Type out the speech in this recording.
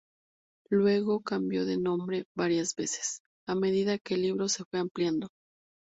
Luego cambió de nombre varias veces, a medida que el libro se fue ampliando.